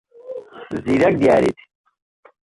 زیرەک دیاریت.